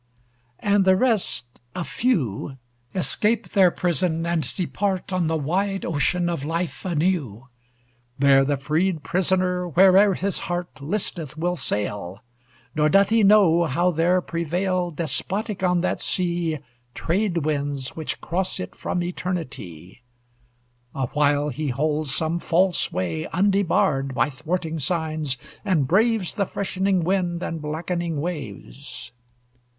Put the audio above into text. And the rest, a few, Escape their prison and depart On the wide ocean of life anew. There the freed prisoner, where'er his heart Listeth will sail; Nor doth he know how there prevail, Despotic on that sea. Trade winds which cross it from eternity: Awhile he holds some false way, undebarred By thwarting signs, and braves The freshening wind and blackening waves.